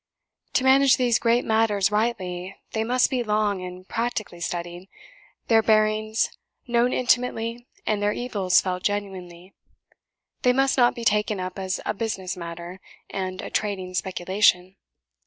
To manage these great matters rightly, they must be long and practically studied their bearings known intimately, and their evils felt genuinely; they must not be taken up as a business matter, and a trading speculation.